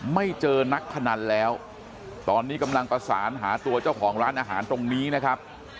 ไม่เจอนักพนันแล้วตอนนี้กำลังประสานหาตัวเจ้าของร้านอาหารตรงนี้นะครับ